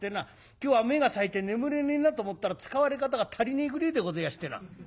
今日は目がさえて眠れねえなと思ったら使われ方が足りねえぐれえでごぜえやしてな」。